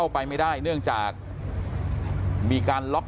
แต่ว่าวินนิสัยดุเสียงดังอะไรเป็นเรื่องปกติอยู่แล้วครับ